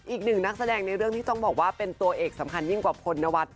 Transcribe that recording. อีกหนึ่งนักแสดงในเรื่องที่ต้องบอกว่าเป็นตัวเอกสำคัญยิ่งกว่าพลนวัฒน